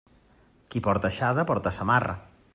Qui porta aixada porta samarra.